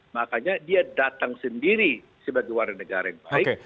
makanya dia datang sendiri sebagai warga negara yang baik